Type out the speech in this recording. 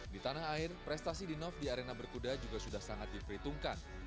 di tanah air prestasi dinov di arena berkuda juga sudah sangat diperhitungkan